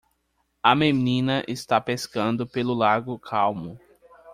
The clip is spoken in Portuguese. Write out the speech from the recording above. A menina está pescando pelo lago calmo.